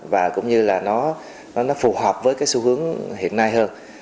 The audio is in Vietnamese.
và cũng như là nó phù hợp với cái xu hướng hiện nay hơn